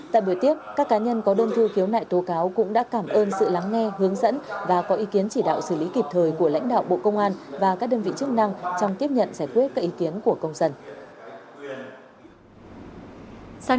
tại buổi tiếp các cá nhân có đơn thư khiếu nại tố cáo cũng đã cảm ơn sự lắng nghe hướng dẫn và có ý kiến chỉ đạo xử lý kịp thời của lãnh đạo bộ công an và các đơn vị chức năng trong tiếp nhận giải quyết các ý kiến của công dân